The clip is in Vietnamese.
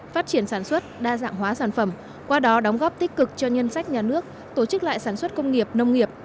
phát triển sản xuất đa dạng hóa sản phẩm qua đó đóng góp tích cực cho ngân sách nhà nước tổ chức lại sản xuất công nghiệp nông nghiệp